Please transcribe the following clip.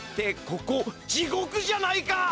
ここ地ごくじゃないか！